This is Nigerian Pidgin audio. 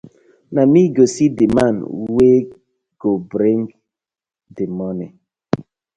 Na mi go see the man dey to bting dii moni.